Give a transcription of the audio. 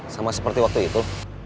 sama seperti waktu itu